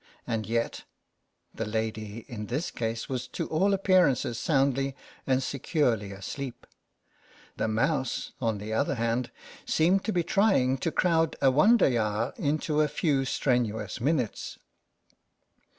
And yet — the lady in this case was to all appearances soundly and securely asleep ; the mouse, on the other hand, seemed to be trying to crowd a Wanderjahr into a few strenuous minutes.